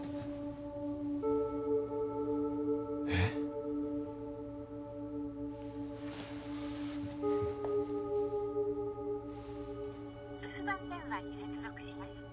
えっ？留守番電話に接続します。